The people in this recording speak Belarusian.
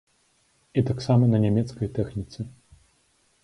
І таксама на нямецкай тэхніцы!